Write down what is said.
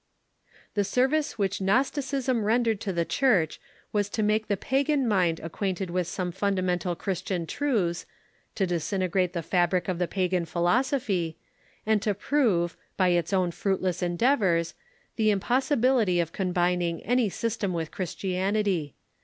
The service which Gnosticism rendered to the Church was to make the pagan mind acquainted with some fundamental Christian truths, to disintegrate the fabric of the G^'str"' pagan philosoph}^, and to prove, by its own fruit less endeavors, the impossibility of combining any system Avith Christianity.